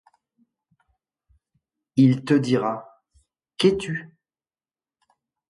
Il te dira : -Qu'es-tu ?